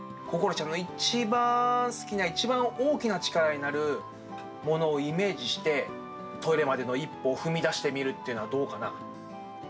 こころちゃんの一番好きな、一番大きな力になるものをイメージして、トイレまでの一歩を踏み出してみるっていうのはどうかな？